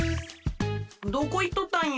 どこいっとったんよ？